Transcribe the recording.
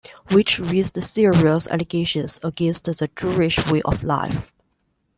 Which raised serious allegations against the Jewish way of life.